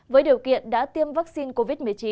với điều kiện đã tiêm vaccine covid một mươi chín